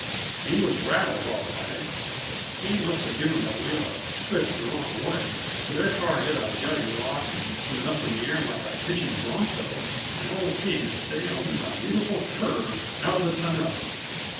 He was rattled, all right; he must have given the wheel a twist the wrong way, for their car hit a jutting rock and went up in the air like a pitching bronco, and old King sailed in a beautiful curve out of the tonneau.